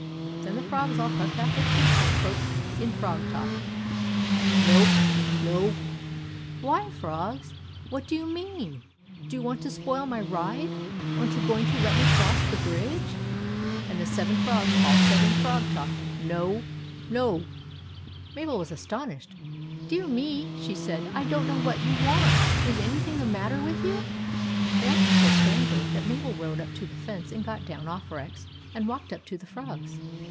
Then the frogs all puffed out their cheeks and croaked in frog talk —" No ! No !"" Why, frogs !" said Mabel. " What do you mean ? Do you want to spoil my ride ? Are n't you going to let me cross the bridge ?" THE FROGS AT THE BRIDGE 37 And the seven frogs all said in frog talk —* No ! No !" Mabel was astonished. " Dear me !" said she. " I don't know what you want. Is anything the matter with you ?" They acted so strangely that Mabel rode up to the fence and got down off Rex and walked up to the frogs.